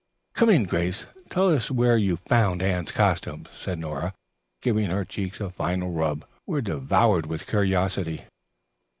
"Come in, Grace, and tell us where you found Anne's costumes," said Nora, giving her cheeks a final rub. "We're devoured with curiosity."